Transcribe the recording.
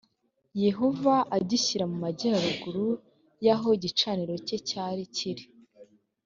yehova agishyira mu majyaruguru y’aho igicaniro cye cyari kiri